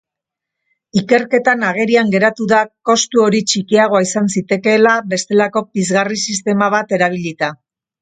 Ikerketan agerian geratu da kostu hori txikiagoa izan zitekeela bestelako pizgarri-sistema bat erabilita.